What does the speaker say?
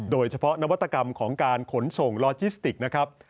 โดยเฉพาะนวัตกรรมของการขนส่งลอจิสติกนะครับ